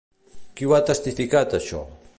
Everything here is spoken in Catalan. Qui ho ha testificat, això?